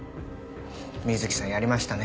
水木さんやりましたね